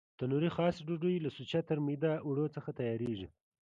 تنوري خاصه ډوډۍ له سوچه ترمیده اوړو څخه تیارېږي.